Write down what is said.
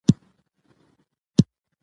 جیمي رامیرز نوی سیستم کاروي.